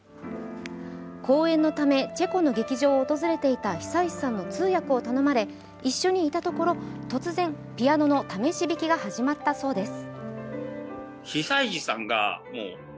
公演のため、チェコの劇場を訪れていた久石さんの通訳を頼まれ一緒にいたところ、突然、ピアノの試し弾きが始まったそうです。